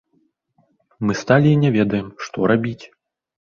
Мы сталі і не ведаем, што рабіць?